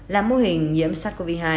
là mô hình nhiễm sars cov hai